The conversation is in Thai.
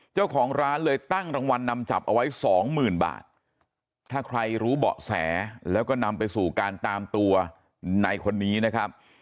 เจ้าของร้านเลยตั้งรางวัลนำจับเอาไว้สองหมื่นบาทถ้าใครรู้เบาะแสแล้วก็นำไปสู่การตามตัวในคนนี้นะครับ